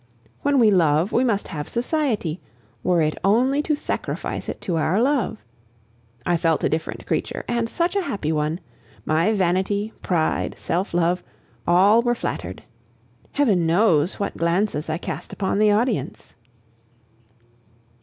When we love, we must have society, were it only to sacrifice it to our love. I felt a different creature and such a happy one! My vanity, pride, self love, all were flattered. Heaven knows what glances I cast upon the audience!